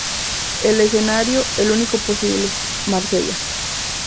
El escenario, el único posible: Marsella.